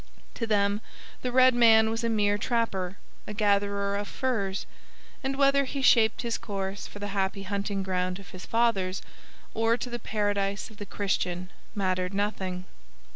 To them the red man was a mere trapper, a gatherer of furs; and whether he shaped his course for the happy hunting ground of his fathers or to the paradise of the Christian mattered nothing.